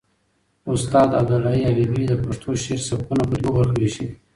استاد عبدالحی حبیبي د پښتو شعر سبکونه په دوو برخو وېشلي دي.